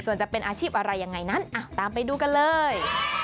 ส่วนจะเป็นอาชีพอะไรยังไงนั้นตามไปดูกันเลย